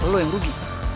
lo yang rugi